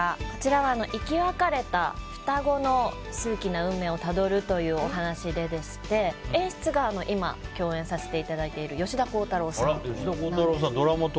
こちらは、生き別れた双子が数奇な運命をたどるというお話でして、演出が今共演させていただいてる吉田鋼太郎さん。